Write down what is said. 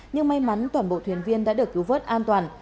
nhưng may mắn toàn bộ thuyền viên đã được cứu vớt an toàn